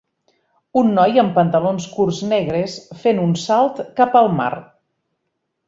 Un noi amb pantalons curts negres fent un salt cap al mar.